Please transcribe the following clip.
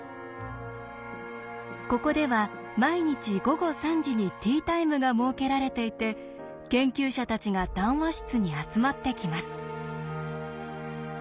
ここでは毎日午後３時にティータイムが設けられていて研究者たちが談話室に集まってきます。